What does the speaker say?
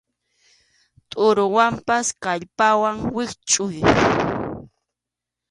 Tʼuruwanpas kallpawan wischʼuy.